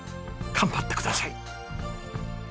頑張ってください！